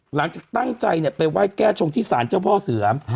หลังจากตั้งใจไปไหว้แก้ชงที่สารเจ้าพ่อเสือม